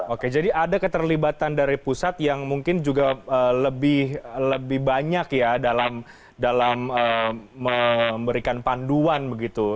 oke jadi ada keterlibatan dari pusat yang mungkin juga lebih banyak ya dalam memberikan panduan begitu